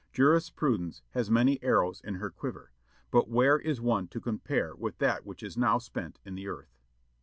Jurisprudence has many arrows in her quiver, but where is one to compare with that which is now spent in the earth?"